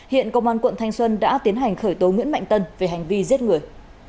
hiện công an quận thanh xuân đã tiến hành khởi tố nguyễn mạnh tân về hành vi giết người